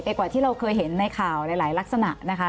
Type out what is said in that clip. กว่าที่เราเคยเห็นในข่าวหลายลักษณะนะคะ